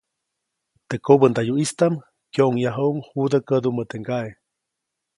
Teʼ kobändayuʼistaʼm kyoʼŋyajuʼuŋ judä kädumä teʼ ŋgaʼe.